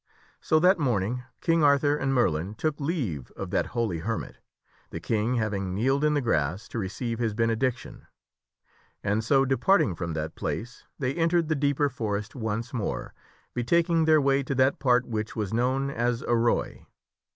So that morning King Arthur and Merlin took leave of that holy hermit (the King having kneeled in the grass to receive his benediction), and so, departing from that place, they entered the deeper forest once more, betaking their way to that part which was known as Arroy.